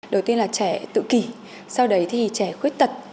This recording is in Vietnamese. đầu tiên là trẻ tự kỷ sau đấy thì trẻ khuyết tật